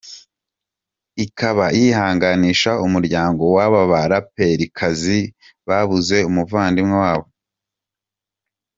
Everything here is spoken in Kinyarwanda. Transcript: com ikaba yihanganisha umuryango w’aba baraperikazi babuze umuvandimwe wabo.